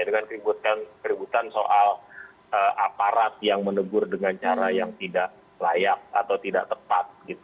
dengan keributan soal aparat yang menegur dengan cara yang tidak layak atau tidak tepat